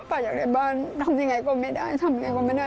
ป้าอยากได้บ้านทำอย่างไรก็ไม่ได้